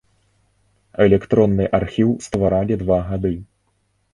Электронны архіў стваралі два гады.